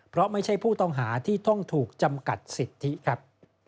เพราะไม่ใช่ผู้ต้องหาที่ต้องถูกจำกัดสิทธิครับ